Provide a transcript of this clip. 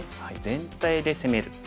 全体で攻める。